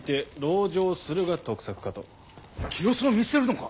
清須を見捨てるのか。